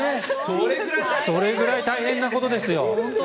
それくらい大変なことですよ。